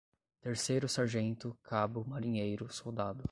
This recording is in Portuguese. Terceiro-Sargento, Cabo, Marinheiro, Soldado